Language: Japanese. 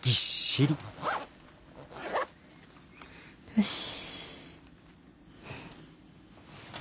よし。